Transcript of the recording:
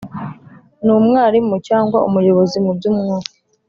numwarimu cyangwa umuyobozi mu by’umwuka